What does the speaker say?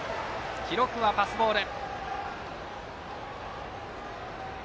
記録はパスボール。